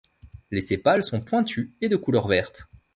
Les sépales sont pointus et de couleur verte.